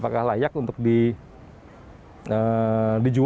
apakah layak untuk dijual ke investor